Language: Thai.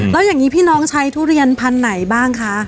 แล้วอย่างนี้พี่น้องใช้ทุเรียนพันธุ์ไหนบ้างคะ